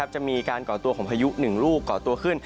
จะมีการก่อตัวของพายุ๑ลูกก่อตัวขึ้น